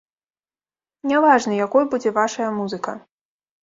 Не важна, якой будзе вашая музыка.